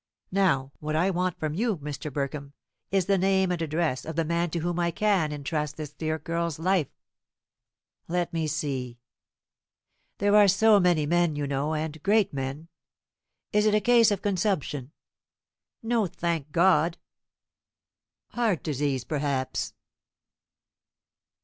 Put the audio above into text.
Now, what I want from you, Mr. Burkham, is the name and address of the man to whom I can intrust this dear girl's life." "Let me see. There are so many men, you know, and great men. Is it a case of consumption?" "No, thank God!" "Heart disease, perhaps?"